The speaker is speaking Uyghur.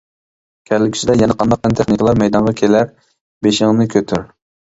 كەلگۈسىدە يەنە قانداق پەن-تېخنىكىلار مەيدانغا كېلەر؟ . بېشىڭنى كۆتۈر!